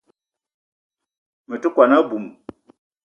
Me te kwuan a-bum